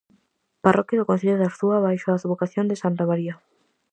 Parroquia do concello de Arzúa baixo a advocación de santa María.